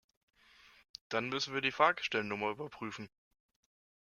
Dann müssen wir die Fahrgestellnummer überprüfen.